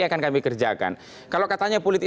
akan kami kerjakan kalau katanya politik